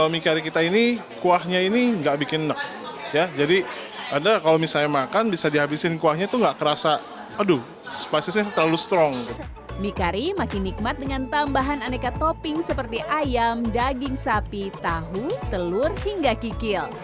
mie kari makin nikmat dengan tambahan aneka topping seperti ayam daging sapi tahu telur hingga kikil